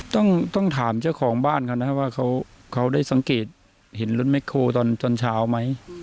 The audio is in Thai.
ต้องต้องถามเจ้าของบ้านค่ะนะว่าเขาเขาได้สังเกตเห็นรถไมโครตอนจนเช้าไหม